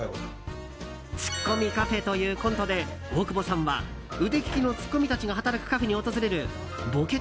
「ツッコミカフェ」というコントで大久保さんは腕利きのツッコミたちが働くカフェに訪れるボケ